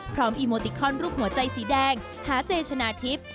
อีโมติคอนรูปหัวใจสีแดงหาเจชนะทิพย์